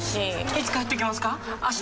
いつ帰ってきますか？